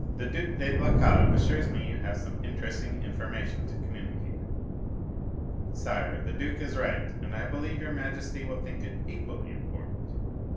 "the Duc de Blacas assures me you have some interesting information to communicate." "Sire, the duke is right, and I believe your majesty will think it equally important."